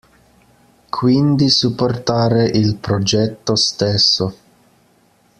Quindi supportare il progetto stesso.